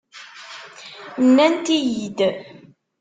Nnant-iyi-id.